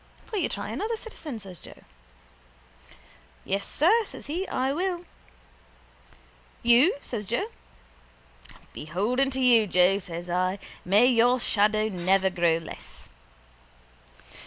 —Will you try another, citizen? says Joe. —Yes, sir, says he. I will. —You? says Joe. —Beholden to you, Joe, says I. May your shadow never grow less.